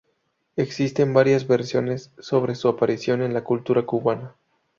Existen varias versiones sobre su aparición en la cultura cubana.